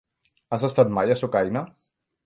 Has estat mai a Sucaina?